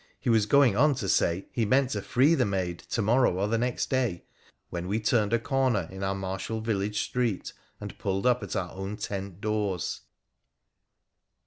He was going on to say he meant to free the maid ' to morrow or the next day,' when we turned a corner in our martial village street, and pulled up at our own tent doors.